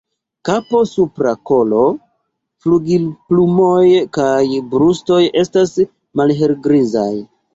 Kapo, supra kolo, flugilplumoj kaj brusto estas malhelgrizaj.